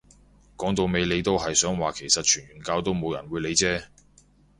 講到尾你都係想話其實傳完教都冇人會理啫